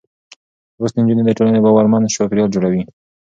لوستې نجونې د ټولنې باورمن چاپېريال جوړوي.